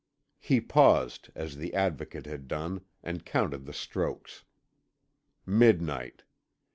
He paused, as the Advocate had done, and counted the strokes. Midnight.